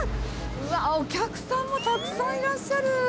うわっ、お客さんもたくさんいらっしゃる。